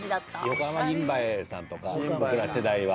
横浜銀蝿さんとか僕ら世代は。